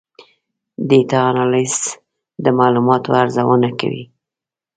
ډیټا انالیسز د معلوماتو ارزونه کوي.